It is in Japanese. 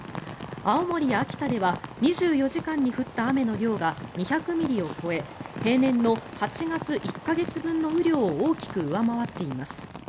青森や秋田では２４時間に降った雨の量が２００ミリを超え平年の８月１か月分の雨量を大きく上回っています。